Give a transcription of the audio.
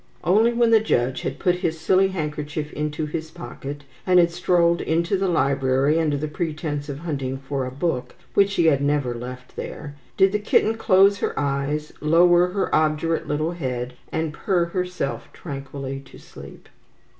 Only when the judge had put his silly handkerchief into his pocket, and had strolled into the library under the pretence of hunting for a book which he had never left there, did the kitten close her eyes, lower her obdurate little head, and purr herself tranquilly to sleep.